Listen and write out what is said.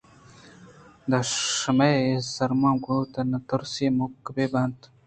داں شُمئے سرماں گوٛات ءَ نہ تُرسی مِکّ بہ بیت